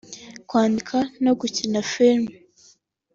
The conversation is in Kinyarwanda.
kwandika no gukina filime